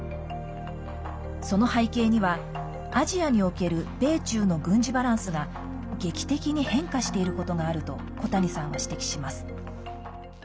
その背景には、アジアにおける米中の軍事バランスが劇的に変化していることがあると小谷さんは指摘します。